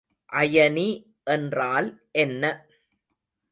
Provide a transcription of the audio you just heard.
அயனி என்றால் என்ன?